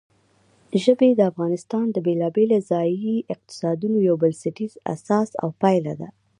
ژبې د افغانستان د بېلابېلو ځایي اقتصادونو یو بنسټیزه اساس او پایایه ده.